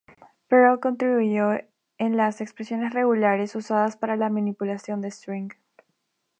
Perl contribuyó en las expresiones regulares, usadas para la manipulación de "string".